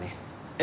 え？